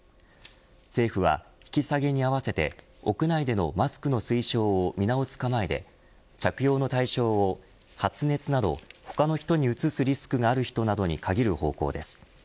政府は、引き下げに合わせて屋内でのマスクの推奨を見直す構えで着用の対象を発熱など他の人にうつすリスクがある人に限る方向です。